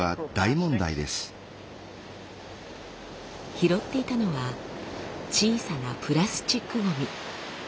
拾っていたのは小さなプラスチックゴミ。